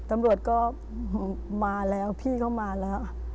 ตำรวจก็มาแล้วพี่ก็มาแล้ว